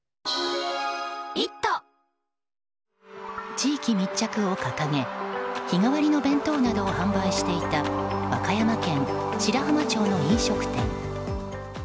地域密着を掲げ日替わりの弁当などを販売していた和歌山県白浜町の飲食店。